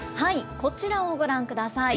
こちらをご覧ください。